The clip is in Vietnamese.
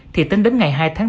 thì tính đến ngày hai tháng bốn